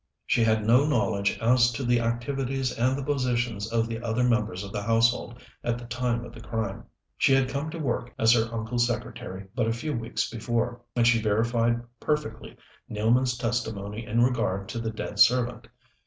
She had no knowledge as to the activities and the positions of the other members of the household at the time of the crime. She had come to work as her uncle's secretary but a few weeks before; and she verified perfectly Nealman's testimony in regard to the dead servant.